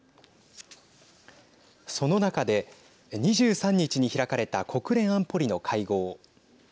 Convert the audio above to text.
その中で２３日に開かれた国連安保理の会合。